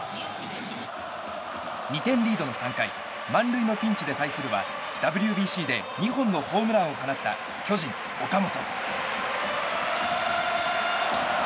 ２点リードの３回満塁のピンチで対するはＷＢＣで２本のホームランを放った巨人、岡本。